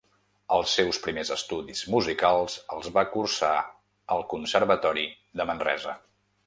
Els seus primers estudis musicals els va cursar al Conservatori de Manresa.